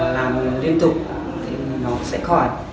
làm liên tục thì nó sẽ khỏi